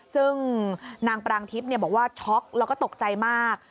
ซึ่งนางปรางทิพย์บอกว่าช็อกแล้วก็ตกใจมาก